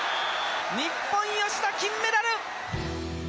日本吉田金メダル！」。